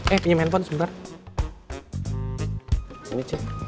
eh punya handphone sebentar